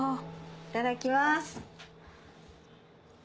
いただきます。